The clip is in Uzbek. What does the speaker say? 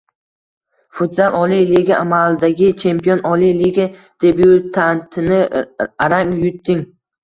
Futzal. Oliy liga. Amaldagi chempion oliy liga debyutantini arang yutding